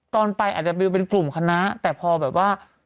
ตอนไปอาจจะเป็นกลุ่มคณะแต่พอแบบว่า